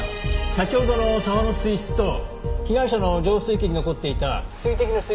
先ほどの沢の水質と被害者の浄水器に残っていた水滴の水質が一致しました。